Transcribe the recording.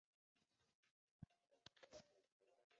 泽普县是中国新疆维吾尔自治区喀什地区所辖的一个县。